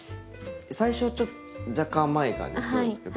最初はちょっと若干甘い感じがするんですけど。